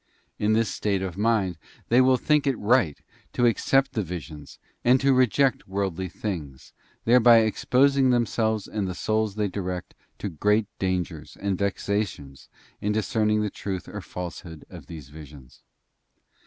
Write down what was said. In this state of mind they will think it right to accept the visions, and to reject worldly things, thereby exposing themselves and the souls they direct to great dangers and vexations in discerning the truth or falsehood of these visions.